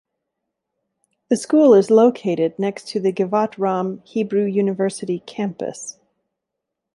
The school is located next to the Givat Ram Hebrew University campus.